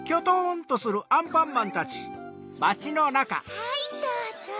はいどうぞ。